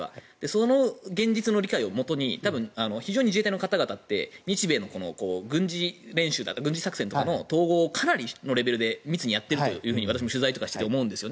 その現実の理解をもとに非常に自衛隊の方々って日米の軍事作戦とかの統合をかなりのレベルで密にやっていると私も取材をしていて思うんです。